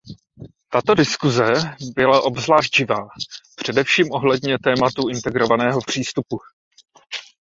Tato diskuse byla obzvlášť živá, především ohledně tématu integrovaného přístupu.